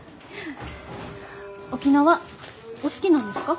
沖縄お好きなんですか？